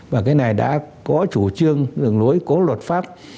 và cái này đã có chủ trương đường lối có luật pháp